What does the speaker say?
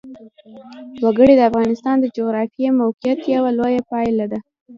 وګړي د افغانستان د جغرافیایي موقیعت یوه لویه پایله ده.